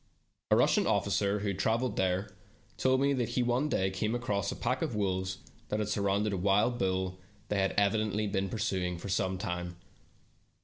A Russian officer who had traveled there, told me that he one day came across a pack of wolves that had surrounded a wild bull they had evidently been pursuing for some time.